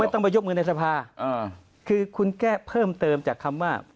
ต้องไปยกมือในสภาคือคุณแก้เพิ่มเติมจากคำว่า